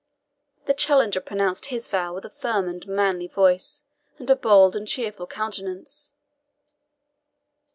The challenger pronounced his vow with a firm and manly voice, and a bold and cheerful countenance.